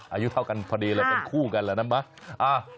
อายุเท่ากันพอดีเลยเป็นคู่กันแล้วนะ